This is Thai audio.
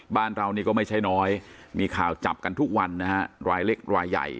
บ้านเรานี่ก็ไม่ใช่น้อยมีข่าวจับกันทุกวันนะฮะรายเล็กรายใหญ่